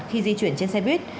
khi di chuyển trên xe buýt